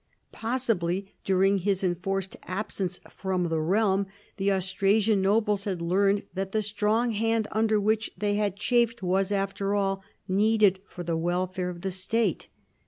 Possibly during his enforced absence from the realm the Aus trasian nobles had learned that the strong hand un der which they had chafed was, after all, needed for the welfare of the State.